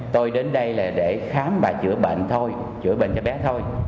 tôi đến đây là để khám và chữa bệnh thôi chữa bệnh cho bé thôi